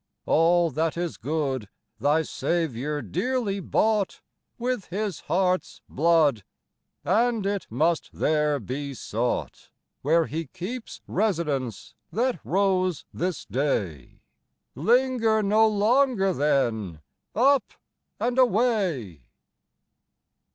All that is good Thy Saviour dearly bought With His heart's blood ; And it must there be sought, Where He keeps residence that rose this day. Linger no longer then : up and away.